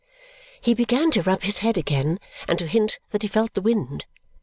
He began to rub his head again and to hint that he felt the wind.